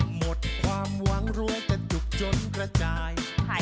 หมดความหวังรวงแต่จุกจนระจาย